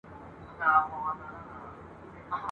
د مور په نس کي د پیرانو پیر وو !.